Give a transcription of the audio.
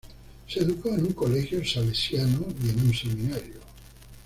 Se educó en un colegio salesiano y en un seminario.